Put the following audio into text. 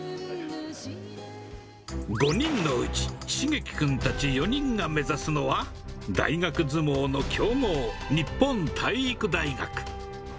５人のうちしげき君たち４人が目指すのは、大学相撲の強豪、日本体育大学。